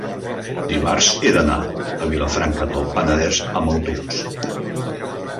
dimarts he d'anar a Vilafranca del Penedès amb autobús.